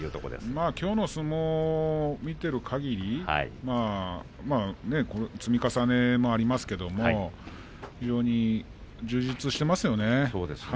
きょうの相撲を見ているかぎり積み重ねもありますけれども非常に充実していますよね。